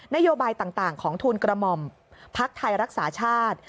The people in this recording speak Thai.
นโยบายต่างของทูลกระหม่อมพักไทยรักษาชาติ